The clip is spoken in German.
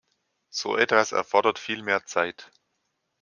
So etwas erfordert viel mehr Zeit.